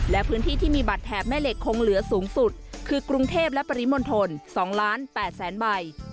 และพื้นที่ที่มีบัตรแถบแม่เหล็กคงเหลือสูงสุดคือกรุงเทพและปริมณฑล๒๘๐๐๐ใบ